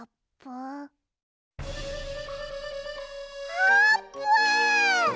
あーぷん！？